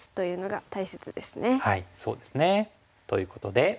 はいそうですね。ということで。